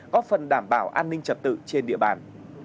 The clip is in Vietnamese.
góp phần đảm bảo an ninh trật tự trên địa bàn